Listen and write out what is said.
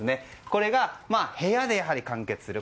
これが部屋で完結する。